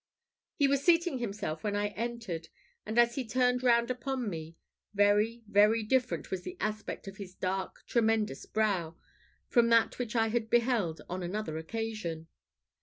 He was seating himself when I entered; and as he turned round upon me, very, very different was the aspect of his dark tremendous brow from that which I had beheld on another occasion.